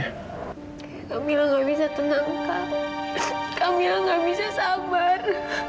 kak mila tidak bisa tenang kak kak mila tidak bisa sabar